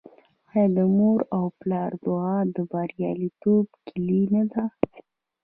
آیا د مور او پلار دعا د بریالیتوب کیلي نه ده؟